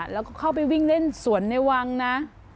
แล้วก็เข้าไปวิ่งเล่นสวนในวังนะ